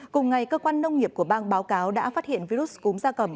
cùng ngày cơ quan nông nghiệp của bang báo cáo đã phát hiện virus cúng gia tầm